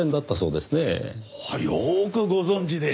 よくご存じで。